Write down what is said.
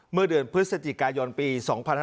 เมื่อเดือนพฤศจิกายนปี๒๕๕๙